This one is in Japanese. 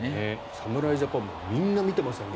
侍ジャパンもみんな見てましたよね